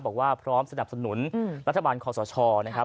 บอกว่าพร้อมสนับสนุนรัฐบาลคอสชนะครับ